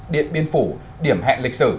điện biên phủ điểm hẹn lịch sử